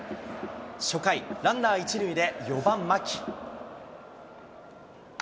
初回、ランナー１塁で４番牧。